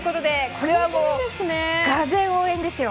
これはもう、がぜん応援ですよ。